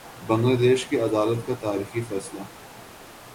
بنگلہ دیش کی عدالت کا تاریخی فیصلہ